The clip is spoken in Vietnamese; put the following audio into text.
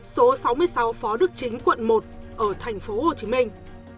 số sáu mươi sáu phó đức chính quận một ở thành phố hồ chí minh